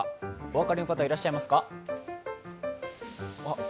お分かりの方、いらっしゃいますか？